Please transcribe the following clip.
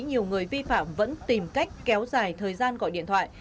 nhiều người vi phạm vẫn tìm cách kéo dài thời gian gọi điện thoại